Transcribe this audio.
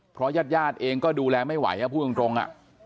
เพราะญาติญาติเองก็ดูแลไม่ไหวพูดตรง